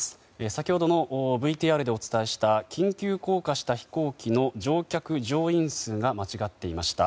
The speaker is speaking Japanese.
先ほどのＶＴＲでお伝えした緊急降下した飛行機の乗客・乗員数が間違っていました。